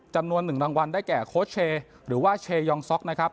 จำนวน๑รางวัลได้แก่โค้ชเชย์หรือว่าเชยองซ็อกนะครับ